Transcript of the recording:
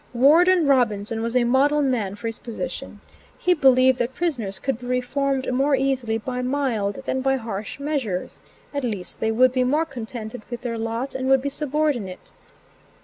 Warden Robinson was a model man for his position. He believed that prisoners could be reformed more easily by mild than by harsh measures at least they would be more contented with their lot and would be subordinate.